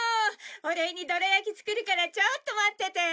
お礼にどら焼き作るからちょっと待ってて。